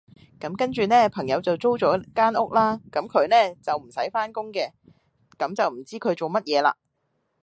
咁跟住呢，朋友就租咗間屋啦，咁佢呢，就唔使返工嘅，咁就唔知佢做乜嘢啦